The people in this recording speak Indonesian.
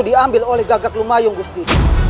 diambil oleh gagak rumah yang gusti